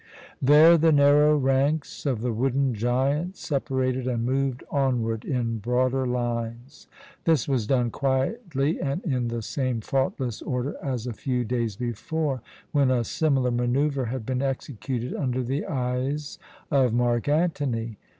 There the narrow ranks of the wooden giants separated and moved onward in broader lines. This was done quietly and in the same faultless order as a few days before, when a similar manœuvre had been executed under the eyes of Mark Antony.